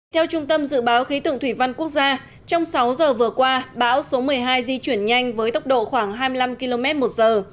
theo trung tâm dự báo khí tượng thủy văn quốc gia trong sáu giờ vừa qua bão số một mươi hai di chuyển nhanh với tốc độ khoảng hai mươi năm km một giờ